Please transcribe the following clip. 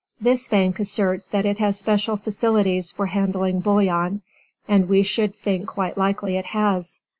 This bank asserts that it has special facilities for handling bullion, and we should think quite likely it has.